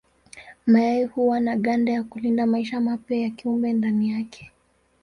Mayai huwa na ganda ya kulinda maisha mapya ya kiumbe ndani yake.